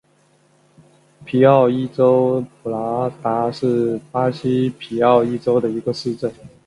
皮奥伊州普拉塔是巴西皮奥伊州的一个市镇。